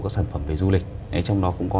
các sản phẩm về du lịch trong đó cũng có